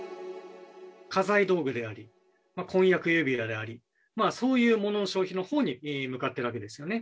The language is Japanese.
家財道具であり、婚約指輪であり、そういうものの消費のほうに向かってるわけですよね。